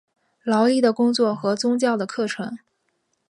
劳力的工作和宗教的课程。